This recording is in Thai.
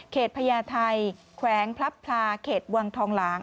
พญาไทยแขวงพลับพลาเขตวังทองหลาง